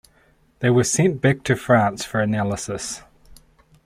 They were sent back to France for analysis.